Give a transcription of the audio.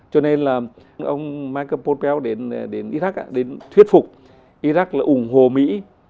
cho nên là ông michael polk đến iraq đến thuyết phục iraq là ủng hộ mỹ